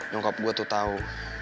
nyokap gue tuh tau